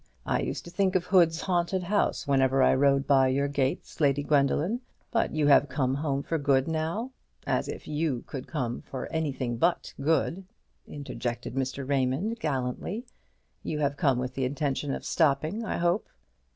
I used to think of Hood's haunted house whenever I rode by your gates, Lady Gwendoline. But you have come home for good now? as if you could come for anything but good," interjected Mr. Raymond, gallantly. "You have come with the intention of stopping, I hope."